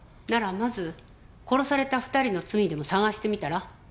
ならまず殺された２人の罪でも探してみたら？